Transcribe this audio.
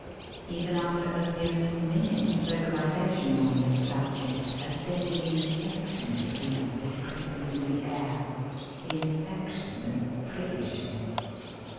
Even after only a few minutes' vocalisation on this subject a deadly infection seems to creep into the air the infection of priggishness.